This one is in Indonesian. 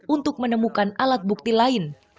untuk menemukan alat bukti lain